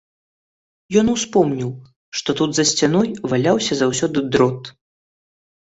Ён успомніў, што тут за сцяной валяўся заўсёды дрот.